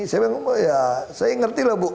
saya ngerti lah ibu